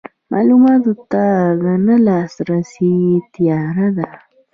معلوماتو ته نه لاسرسی تیاره ده.